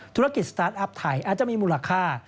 ธุรกิจสตาร์ทอัพไทยอาจจะมีมูลค่า